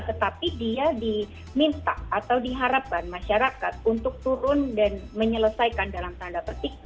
tetapi dia diminta atau diharapkan masyarakat untuk turun dan menyelesaikan dalam tanda petik